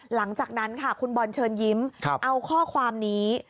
หลังจากนั้นค่ะคุณบอลเชิญยิ้มเอาข้อความนี้